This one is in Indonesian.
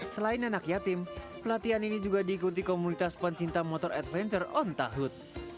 selain anak yatim pelatihan ini juga diikuti komunitas pencinta motor adventure on tahu